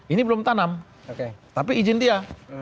ini belum tanam tapi izin dia